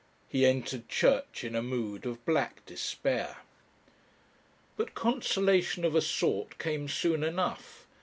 He entered church in a mood of black despair. But consolation of a sort came soon enough.